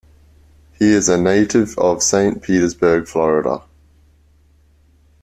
He is a native of Saint Petersburg, Florida.